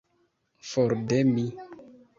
For de mi!